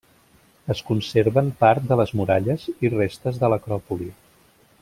Es conserven part de les muralles i restes de l'acròpoli.